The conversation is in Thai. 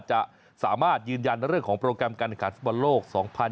จะสามารถยืนยันเรื่องของโปรแกรมการขันฟุตบอลโลก๒๐๑๖